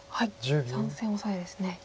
３線オサエですね。